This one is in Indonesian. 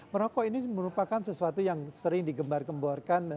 merokok ini merupakan sesuatu yang sering digemukkan